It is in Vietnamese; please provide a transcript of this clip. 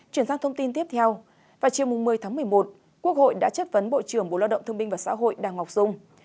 chuyển sang thông tin tiếp theo vào chiều một mươi tháng một mươi một quốc hội đã chấp vấn bộ trưởng bộ lo động thương minh và xã hội đảng ngọc dung